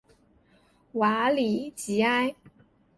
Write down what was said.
瓦利吉埃。